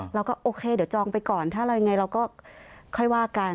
เราก็โอเคเดี๋ยวจองไปก่อนถ้าเรายังไงเราก็ค่อยว่ากัน